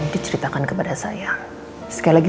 diceritakan kepada saya sekali lagi